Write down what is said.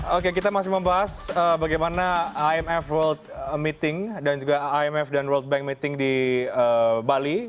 oke kita masih membahas bagaimana imf world meeting dan juga imf dan world bank meeting di bali